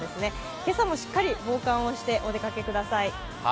今朝もしっかり防寒をしてお出かけください。